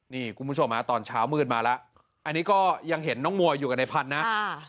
นี่คุณผู้ชมฮะตอนเช้ามืดมาแล้วอันนี้ก็ยังเห็นน้องมัวอยู่กับในพันธุ์นะ